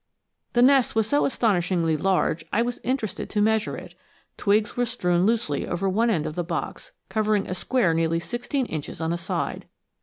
The nest was so astonishingly large I was interested to measure it. Twigs were strewn loosely over one end of the box, covering a square nearly sixteen inches on a side.